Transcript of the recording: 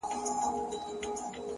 o د خوار د ژوند كيسه ماتـه كړه،